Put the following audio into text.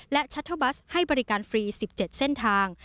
และชัตเทอร์บัสให้บริการฟรี๑๗เส้นทาง